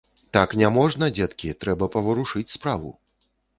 Так не можна, дзеткі, трэба паварушыць справу.